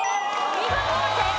見事正解。